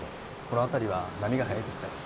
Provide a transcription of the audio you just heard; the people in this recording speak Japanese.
この辺りは波が早いですから。